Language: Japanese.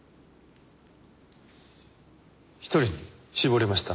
１人に絞れました？